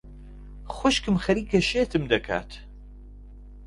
خوشکم خەریکە شێتم دەکات.